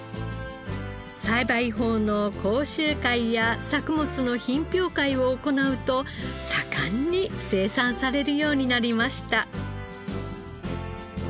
栽培法の講習会や作物の品評会を行うと盛んに生産されるようになりました。